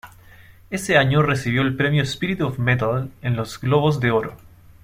Ese año, recibió el premio Spirit of Metal en los Globo de Oro.